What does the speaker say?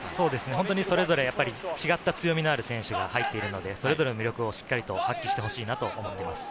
それぞれ違った強みのある選手が入ってるので、それぞれの魅力を発揮してほしいなと思います。